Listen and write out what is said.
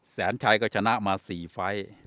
แสนชัยก็ชนะมา๔ไฟล์